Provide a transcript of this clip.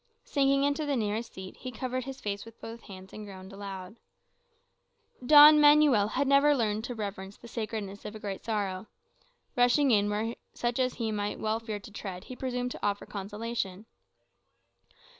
Sinking into the nearest seat, he covered his face with both hands, and groaned aloud. Don Manuel Alvarez had never learned to reverence the sacredness of a great sorrow. "Rushing in" where such as he might well fear to tread, he presumed to offer consolation.